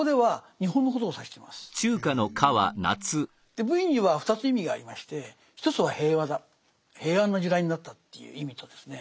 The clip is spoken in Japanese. で「無為」には２つ意味がありまして一つは平和だ平安な時代になったという意味とですね